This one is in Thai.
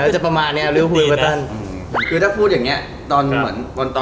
จริงก็น่าไปลองกันอะ